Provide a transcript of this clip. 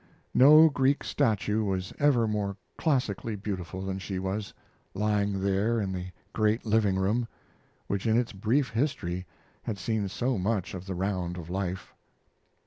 No Greek statue was ever more classically beautiful than she was, lying there in the great living room, which in its brief history had seen so much of the round of life.